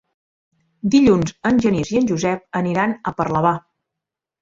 Dilluns en Genís i en Josep aniran a Parlavà.